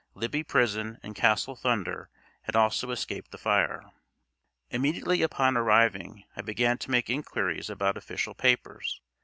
Libby Prison and Castle Thunder had also escaped the fire. Immediately upon arriving I began to make inquiries about official papers.